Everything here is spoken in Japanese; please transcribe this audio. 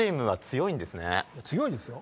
強いですよ。